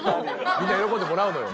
みんな喜んでもうらのよ。